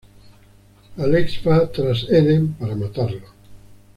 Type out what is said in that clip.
Alex va tras Eden para matarlo.